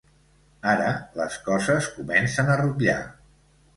Ara les coses comencen a rutllar.